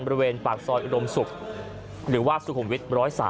บริเวณปากซอยอุดมศุกร์หรือว่าสุขุมวิท๑๐๓